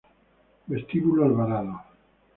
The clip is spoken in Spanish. Vestíbulo Alvarado